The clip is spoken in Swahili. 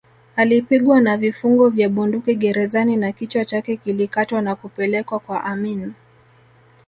Alipigwa na vifungo vya bunduki gerezani na kichwa chake kilikatwa na kupelekwa kwa Amin